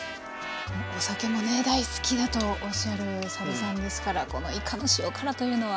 お酒もね大好きだとおっしゃる佐渡さんですからこのいかの塩辛というのは。